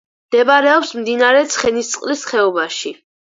მდებარეობს მდინარე ცხენისწყლის ხეობაში.